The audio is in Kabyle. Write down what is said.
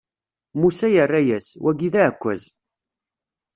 Musa yerra-as: Wagi d aɛekkaz.